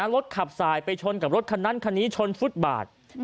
รถขับสายไปชนกับรถคันนั้นคันนี้ชนฟุตบาท